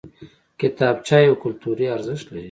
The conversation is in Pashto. کتابچه یو کلتوري ارزښت لري